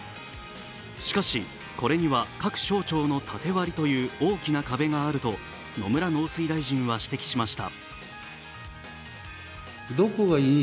しかし、これには各省庁の縦割りという大きな壁があると野村農水大臣は指摘しました。